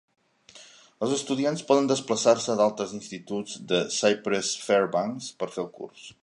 Els estudiants poden desplaçar-se d'altres instituts de Cypress-Fairbanks per fer el curs.